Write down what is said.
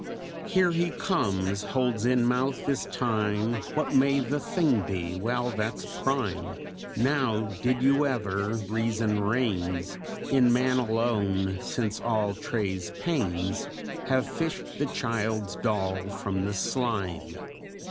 "'Here he comes, holds in mouth this time What may the thing be? Well, that's prime! Now did you ever? Reason reigns In man alone, since all Tray's pains Have fished the child's doll from the slime!'